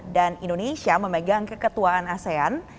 dan indonesia memegang keketuaan asean